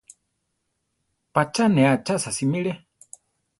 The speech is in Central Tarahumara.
Pacha ne achasa simiré.